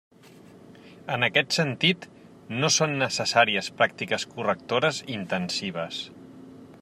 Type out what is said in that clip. En aquest sentit, no són necessàries pràctiques correctores intensives.